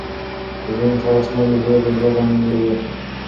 د ژمي خړ اسمان د هیلې د زړه غوندې و.